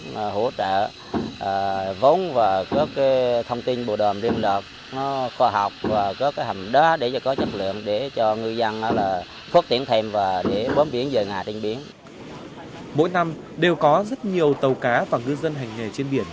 mỗi năm đều có rất nhiều tàu cá và ngư dân hành nghề trên biển